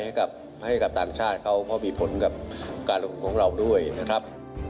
ให้กับต่างชาติเขาเพราะมีผลกับการลงทุนของเราด้วยนะครับ